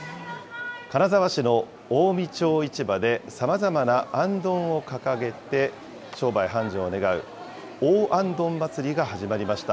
金沢市の近江町市場で、さまざまなあんどんを掲げて、商売繁盛を願う、大行燈まつりが始まりました。